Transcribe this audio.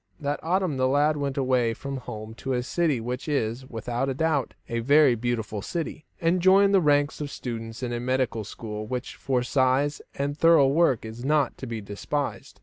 That autumn the lad went away from home to a city which is, without doubt, a very beautiful city, and joined the ranks of students in a medical school which for size and thorough work is not to be despised.